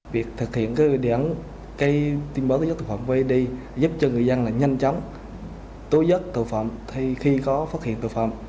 việc thực hiện cái đoán tin báo tố giác tội phạm vneid giúp cho người dân là nhanh chóng tố giác tội phạm thay khi có phát hiện tội phạm